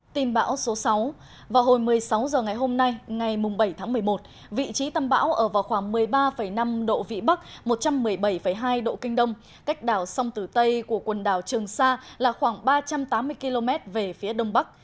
tin bão số sáu vào hồi một mươi sáu h ngày hôm nay ngày bảy tháng một mươi một vị trí tâm bão ở vào khoảng một mươi ba năm độ vĩ bắc một trăm một mươi bảy hai độ kinh đông cách đảo sông tử tây của quần đảo trường sa là khoảng ba trăm tám mươi km về phía đông bắc